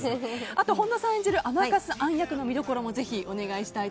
あと、本田さん演じる甘春杏役の見どころもぜひお願いします。